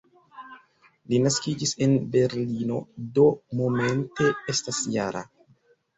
Li naskiĝis en Berlino, do momente estas -jara.